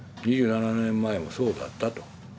２７年前もそうだったと。